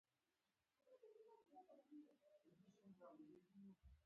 ما غوښتل تا زده کړم او په تا پوه شم.